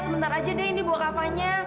sebentar aja deh indi bawa kavanya